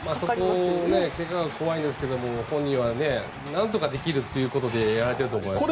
そこを怪我が怖いんですけど本人はなんとかできるということでやられていると思いますから。